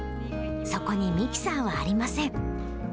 そこにミキサーはありません。